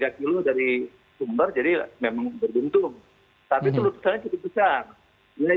tapi itu lupusannya cukup besar